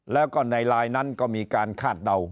แล้วก็ในไลน์นั้นก็มีการคาดเดา